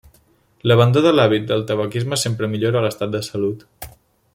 L'abandó de l'hàbit del tabaquisme sempre millora l'estat de salut.